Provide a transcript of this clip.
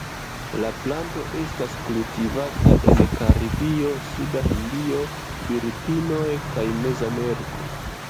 La planto estas kultivata en Karibio suda Hindio, Filipinoj kaj Mezameriko.